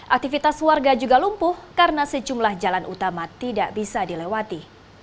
aktivitas warga juga lumpuh karena sejumlah jalan utama tidak bisa dilewati